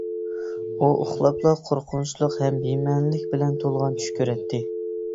ئۇ ئۇخلاپلا قورقۇنچلۇق ھەم بىمەنىلىك بىلەن تولغان چۈش كۆرەتتى.